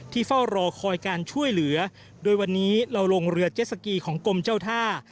เฝ้ารอคอยการช่วยเหลือโดยวันนี้เราลงเรือเจสสกีของกรมเจ้าท่า